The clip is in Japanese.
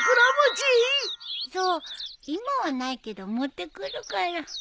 そう今はないけど持ってくるから。